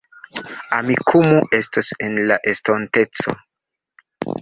Amikumu estos en la estonteco